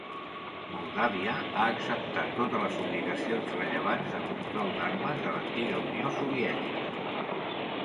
Moldàvia ha acceptat totes les obligacions rellevants de control d'armes de l'antiga Unió Soviètica.